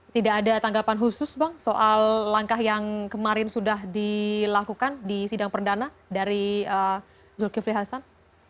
tidak ada tanggapan khusus bang soal langkah yang kemarin sudah dilakukan di sidang perdana dari zulkifli hasan